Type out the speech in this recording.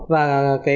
và quan trọng nhất là